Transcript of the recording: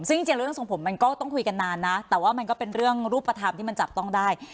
ซึ่งจริงแล้วเรื่องทรงผมมันก็ต้องคุยกันนานนะแต่ว่ามันก็เป็นเรื่องรูปธรรมที่มันจับต้องได้